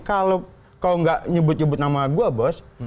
kalau nggak nyebut nyebut nama gue bos